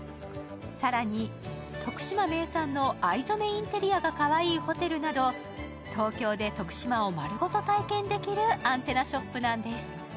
更に、徳島名産の藍染めインテリアがかわいいホテルなど、東京で徳島を丸ごと体験できるアンテナショップなんです。